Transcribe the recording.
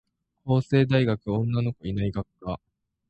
法政大学女の子いない学科